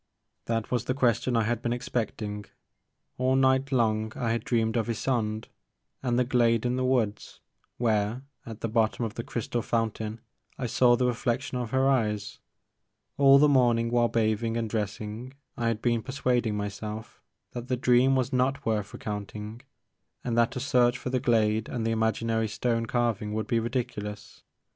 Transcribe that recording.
" This was the question that I had been expect ing. All night long I had dreamed of Ysonde and the glade in the woods, where, at the bottom of the crystal fountain, I saw the reflection of her eyes. All the morning while bathing and dressing I had been persuading myself that the dream was not worth recounting and that a search for the glade and the imaginary stone carving would be ridiculous.